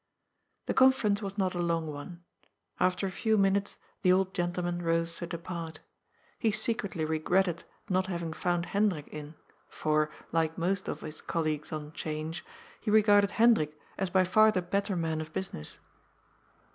The conference was not a long one. After a few minutes the old gentleman rose to depart. He secretly regretted not having found Hendrik in, for, like most of his colleagues on 'Change, he regarded Hendrik as by far the better man of business.